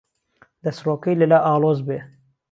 دهسرۆکهی له لا ئاڵۆز بێ